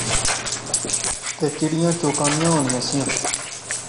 تہ چڑیاں چوکانیاں ہونیاں سیا